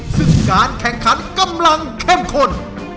ซึ่งการแข่งขันกำลังเข้มข้น